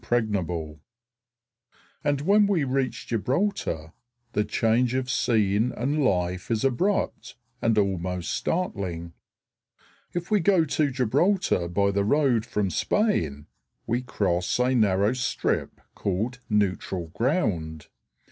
_] And when we reach Gibraltar the change of scene and life is abrupt and almost startling. If we go to Gibraltar by the road from Spain, we cross a narrow strip called Neutral Ground.